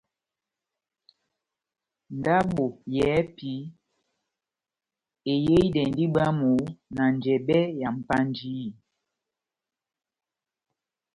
Ndabo yɛ́hɛ́pi eyehidɛndi bwámu na njɛbɛ ya Mpanjiyi.